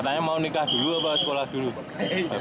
katanya mau nikah dulu apa sekolah dulu